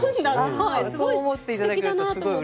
すごいすてきだなと思って。